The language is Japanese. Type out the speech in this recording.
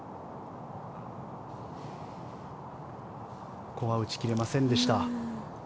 ここは打ち切れませんでした。